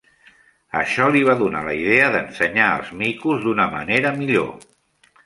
Això li va donar la idea d'ensenyar als micos d'una manera millor.